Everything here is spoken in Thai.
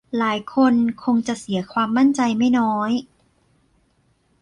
หลายคนคงจะเสียความมั่นใจไม่น้อย